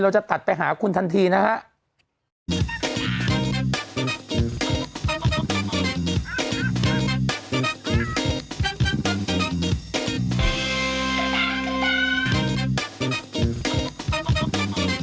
จะตัดไปหาคุณทันทีนะครับ